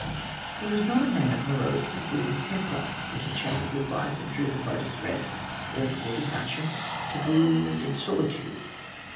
He was not a man of morose and gloomy temper, disenchanted with life and driven by distress or thwarted passion to brood in solitude.